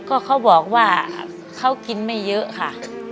ก็เขาบอกว่าเขากินไม่เยอะค่ะ